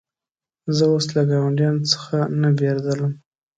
زه اوس له ګاونډیانو څخه نه بېرېدلم.